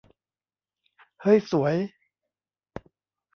เฮ้ย สวย